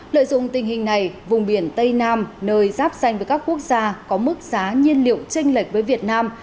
lợi dụng tình hình này vùng biển tây nam nơi giáp danh với các quốc gia có mức giá nhiên liệu tranh lệch với việt nam